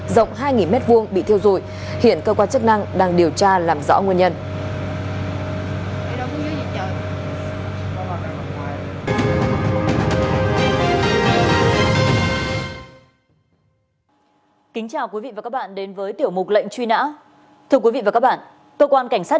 rộng hai m hai bị theo dùi hiện cơ quan chức năng đang điều tra làm rõ nguyên nhân